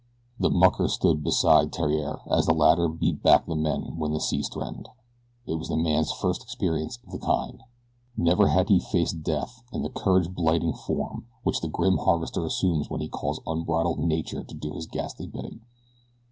The mucker stood beside Theriere as the latter beat back the men when the seas threatened. It was the man's first experience of the kind. Never had he faced death in the courage blighting form which the grim harvester assumes when he calls unbridled Nature to do his ghastly bidding.